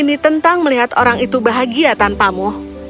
ini tentang melihat orang itu bahagia tanpamu